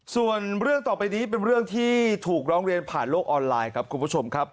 ส่วนเรื่องต่อไปนี้เป็นเรื่องที่ถูกร้องเรียนผ่านโลกออนไลน์ครับคุณผู้ชมครับ